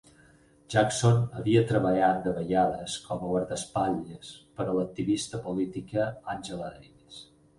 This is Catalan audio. Jackson havia treballat de vegades com a guardaespatlles per a l'activista política Angela Davis.